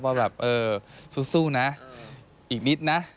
ว่าแบบเออสู้นะอีกนิดนะ